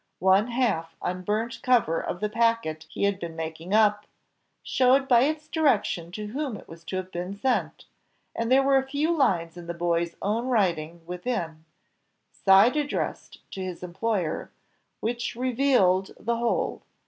One half unburnt cover of the packet he had been making up, showed by its direction to whom it was to have been sent, and there were a few lines in the boy's own writing within side addressed to his employer, which revealed the whole.